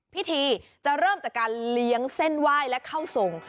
พิธีจะเริ่มจากการเลี้ยงเส้นไหว้และเข้าทรง